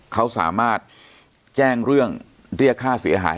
เขาสามารถแจ้งเรื่องเรียกค่าเสียหาย